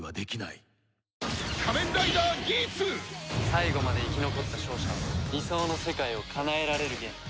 最後まで生き残った勝者は理想の世界をかなえられるゲーム。